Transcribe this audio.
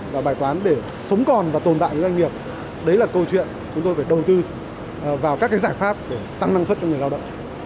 lại với doanh nghiệp đấy là câu chuyện chúng tôi phải đầu tư vào các cái giải pháp để tăng năng suất cho người lao động